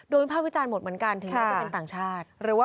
โดยมีภาพวิจารณ์หมดเหมือนกันถึงจะเป็นต่างชาติ